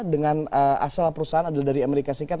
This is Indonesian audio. dengan asal perusahaan adalah dari amerika serikat